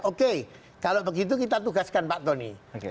oke kalau begitu kita tugaskan pak tony